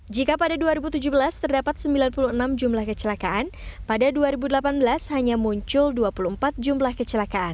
jika pada dua ribu tujuh belas terdapat sembilan puluh enam jumlah kecelakaan pada dua ribu delapan belas hanya muncul dua puluh empat jumlah kecelakaan